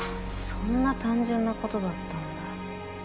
そんな単純なことだったんだ。